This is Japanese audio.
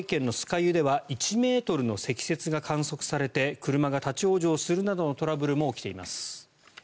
湯では１ｍの積雪が観測されて車が立ち往生するなどのトラブルも起きています。